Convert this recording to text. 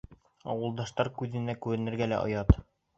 Ауылдаштар күҙенә күренергә лә оят.